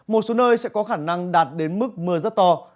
một số nơi sẽ có khả năng đạt đến mức mưa rất to